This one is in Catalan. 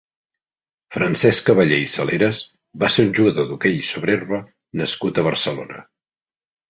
Francesc Caballer i Saleras va ser un jugador d'hoquei sobre herba nascut a Barcelona.